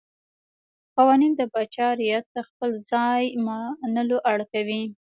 قوانین د پاچا رعیت ته خپل ځای منلو اړ کوي.